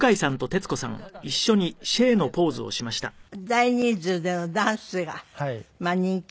大人数でのダンスが人気。